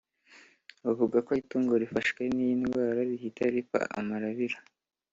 Bavuga ko itungo rifashwe n’iyi indwara rihita ripfa amarabira